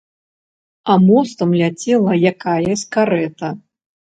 А мостам ляцела якаясь карэта.